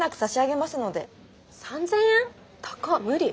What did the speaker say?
高っ無理。